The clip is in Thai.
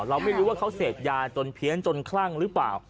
เราไม่รู้ว่าเขาเสพยาจนเพี้ยนจนคลั่งหรือเปล่า